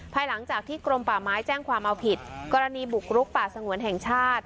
ภายหลังจากที่กรมป่าไม้แจ้งความเอาผิดกรณีบุกรุกป่าสงวนแห่งชาติ